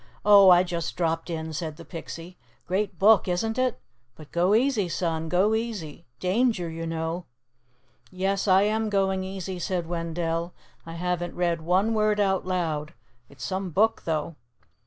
"Oh, I just dropped in," said the Pixie. "Great book, isn't it? But, go easy, son, go easy. Danger, you know." "Yes, I am going easy," said Wendell. "I haven't read one word out loud. It's some book, though!"